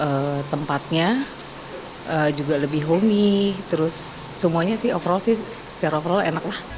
terus tempatnya juga lebih homey terus semuanya sih overall enak lah